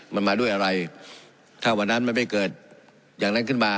มันมาด้วยอะไรถ้าวันนั้นมันไม่เกิดอย่างนั้นขึ้นมา